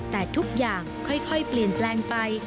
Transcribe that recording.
แต่ทุกอย่างค่อยเปลี่ยนแปลงไป